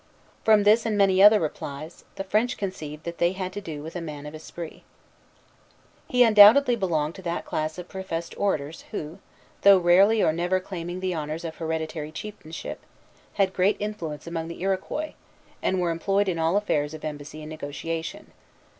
From this and many other replies, the French conceived that they had to do with a man of esprit. Vimont, Relation, 1645, 24. He undoubtedly belonged to that class of professed orators who, though rarely or never claiming the honors of hereditary chieftainship, had great influence among the Iroquois, and were employed in all affairs of embassy and negotiation.